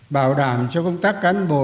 bảo đảm cho công tác cán bộ